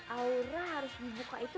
aura harus dibuka itu